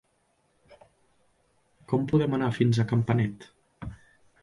Com podem anar fins a Campanet?